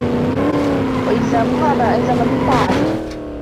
وَإِلْزَامُهَا مَا أَلْزَمَ مِنْ طَاعَتِهِ